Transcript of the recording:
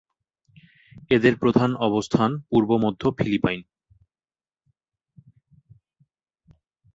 এদের প্রধান অবস্থান পূর্ব-মধ্য ফিলিপাইন।